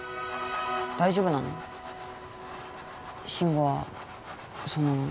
大丈夫なの？